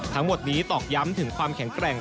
ทั้งหมดนี้ตอกย้ำถึงความแข็งแกร่ง